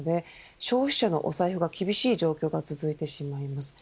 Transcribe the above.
消費者のお財布が厳しい状況が続いてしまいます。